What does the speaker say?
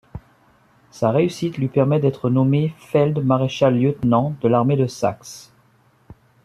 Sa réussite lui permet d'être nommé feld-maréchal-Lieutenant de l'armée de Saxe.